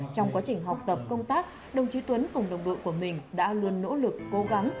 trong quá trình học tập công tác đồng chí tuấn cùng đồng đội của mình đã luôn nỗ lực cố gắng